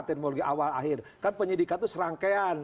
teknologi awal akhir kan penyidikan itu serangkaian